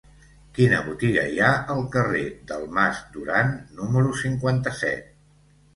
Quina botiga hi ha al carrer del Mas Duran número cinquanta-set?